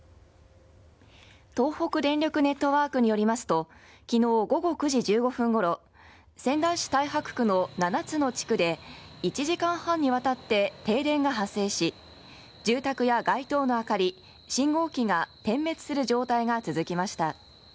東北電力ネットワークによりますと、きのう午後９時１５分ごろ、仙台市太白区の７つの地区で、１時間半にわたって停電が発生し、住宅や街灯の明かり、信号機が点滅する状態が続きました。